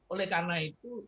oleh karena itu